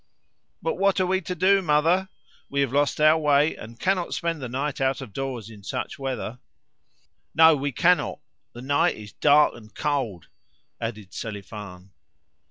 "But what are we to do, mother? We have lost our way, and cannot spend the night out of doors in such weather." "No, we cannot. The night is dark and cold," added Selifan.